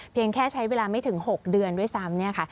เพียงแค่ใช้เวลาไม่ถึง๖เดือนด้วยซ้ำ